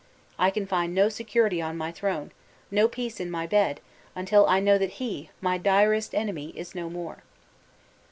I can find no security on my throne, no peace in my bed, until I know that he, my direst enemy, is no more."